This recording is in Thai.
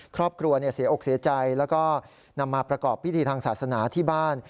ครอบครัวเสียอกเสียใจแล้วก็นำมาประกอบพิธีทางศาสนาที่บ้าน